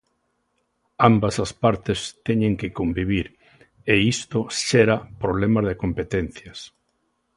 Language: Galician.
Ambas as partes teñen que convivir e isto xera problemas de competencias.